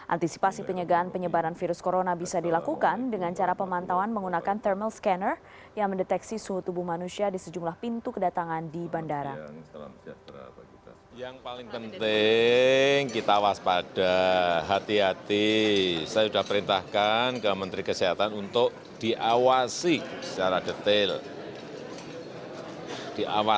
antisipasi penyegaan penyebaran virus corona bisa dilakukan dengan cara pemantauan menggunakan thermal scanner yang mendeteksi suhu tubuh manusia di sejumlah pintu kedatangan di bandara